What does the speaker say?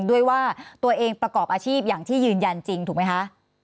ด้วยว่าตัวเองประกอบอาชีพอย่างที่ยืนยันจริงถูกไหมคะ